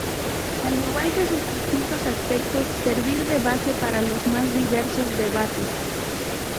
Al igual que sus distintos aspectos servir de base para los más diversos debates.